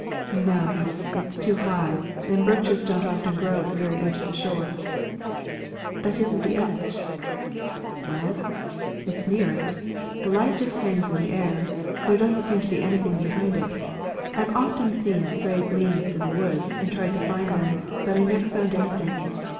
"No, it's too high, and birches don't often grow on the very edge of the shore." "That isn't the edge." "Well, it's near it. The light just hangs in the air. There doesn't seem to be anything behind it. I've often seen stray gleams in the woods and tried to find them, but I never found anything.